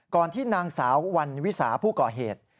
ก่อนที่นางสาววันวิสาธิ์ผู้ก่อเหตุ